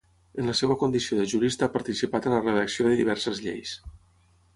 En la seva condició de jurista ha participat en la redacció de diverses lleis.